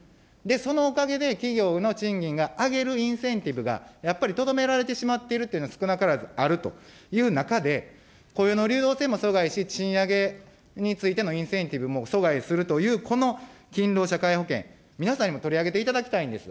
そのおかげで企業の賃金が上げるインセンティブがやっぱりとどめられてしまっているというのが少なからずあるという中で、雇用の流動性も阻害し、賃上げについてのインセンティブも阻害するという、この勤労者皆保険、皆さんにも取り上げていただきたいんです。